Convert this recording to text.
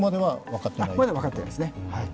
まだ分かってないです。